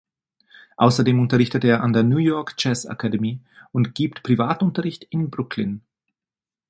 Außerdem unterrichtet er an der New York Jazz Academy und gibt Privatunterricht in Brooklyn.